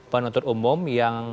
penuntut umum yang